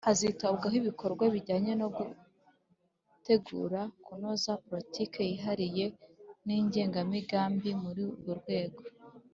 hazitabwaho ibikorwa bijyanye no gutegura/ kunoza politiki yihariye n'igenamigambi muri urwo rwego.